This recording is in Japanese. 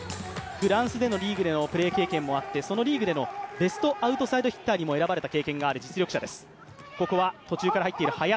フランスのリーグでのプレー経験もあって、そのリーグでのベストアウトサイドヒッターにも選ばれたことのある実力者です。